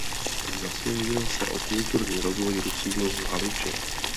Zasloužil se o kulturní rozvoj Rusínů v Haliči.